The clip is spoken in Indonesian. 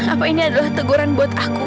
apa ini adalah teguran buat aku